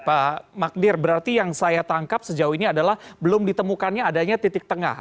pak magdir berarti yang saya tangkap sejauh ini adalah belum ditemukannya adanya titik tengah